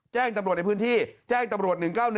แจ้งตำรวจในพื้นที่แจ้งตำรวจ๑๙๑